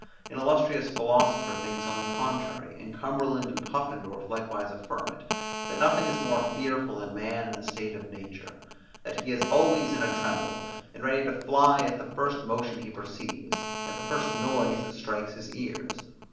An illustrious philosopher thinks on the contrary, and Cumberland and Puffendorff likewise affirm it, that nothing is more fearful than man in a state of nature, that he is always in a tremble, and ready to fly at the first motion he perceives, at the first noise that strikes his ears.